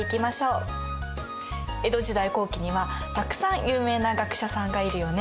江戸時代後期にはたくさん有名な学者さんがいるよね？